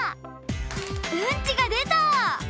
うんちがでた！